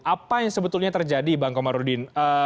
apa yang sebetulnya terjadi bang komar udin